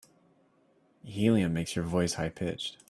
Helium makes your voice high pitched.